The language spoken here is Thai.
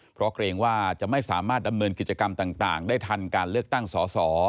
เพราะเกรงว่าจะไม่สามารถดำเนินกิจกรรมต่างได้ทันการเลือกตั้งสอสอ